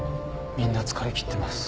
みんな疲れ切ってます。